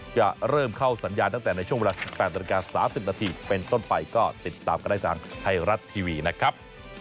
จะเริ่มเข้าสัญญาณตั้งแต่ในช่วงเวลา๑๘นาฬิกา๓๐นาทีเป็นต้นไปก็ติดตามก็ได้ทางไทยรัฐทีวีนะครับ